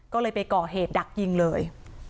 ก็เลยไปก่อเหตุดักยิงเลย